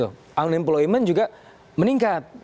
unemployment juga meningkat